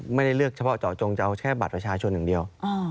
ไม่ได้เลือกเฉพาะเจาะจงจะเอาแค่บัตรประชาชนอย่างเดียว